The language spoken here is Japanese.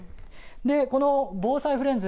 でこの防災フレンズ